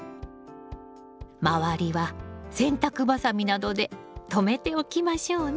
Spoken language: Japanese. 周りは洗濯ばさみなどで留めておきましょうね。